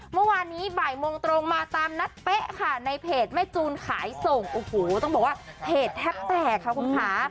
เมื่อวานนี้บ่ายโมงตรงมาตามนัดเป๊ะค่ะในเพจแม่จูนขายส่งโอ้โหต้องบอกว่าเพจแทบแตกค่ะคุณค่ะ